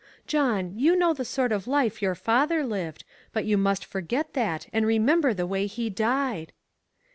John, you know the sort of life your father lived, but you must forget that and remem ber the way he died.